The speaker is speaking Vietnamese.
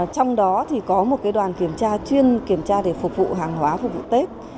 trong đó thì có một đoàn kiểm tra chuyên kiểm tra để phục vụ hàng hóa phục vụ tết